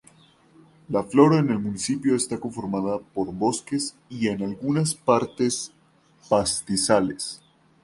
La flora en el municipio está conformada por bosques y en algunas partes, pastizales.